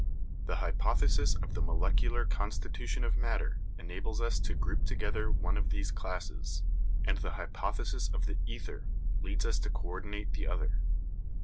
The hypothesis of the molecular constitution of matter enables us to group together one of these classes, and the hypothesis of the ether leads us to co ordinate the other.